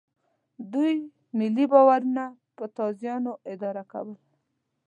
دوی ملي باورونه په تازیانو اداره کول.